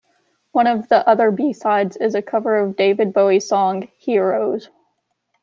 One of the other B-sides is a cover of David Bowie's song, "Heroes".